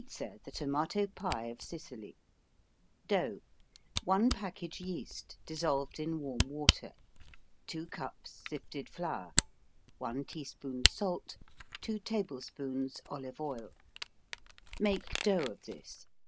Pizza The Tomato Pie of Sicily DOUGH 1 package yeast, dissolved in warm water 2 cups sifted flour 1 teaspoon salt 2 tablespoons olive oil Make dough of this.